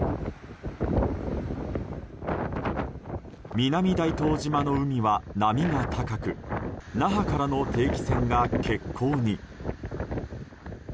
南大東島の海は波が高く那覇からの定期船が欠航に。